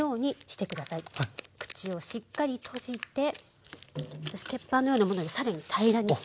口をしっかり閉じて鉄板のようなもので更に平らにして。